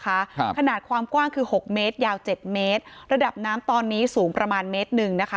ครับขนาดความกว้างคือหกเมตรยาวเจ็ดเมตรระดับน้ำตอนนี้สูงประมาณเมตรหนึ่งนะคะ